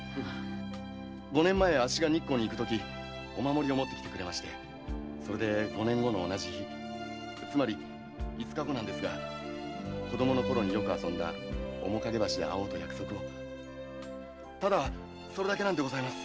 五年前あっしが日光に行くときお守りを持ってきてくれましてそれで五年後の同じ日つまり五日後ですが子どものころによく遊んだおもかげ橋で会おうと約束をそれだけでございます。